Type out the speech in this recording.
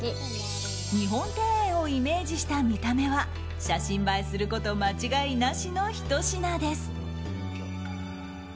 日本庭園をイメージした見た目は写真映えすること間違いなしのひと品です。